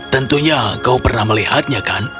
tentunya kau pernah melihatnya kan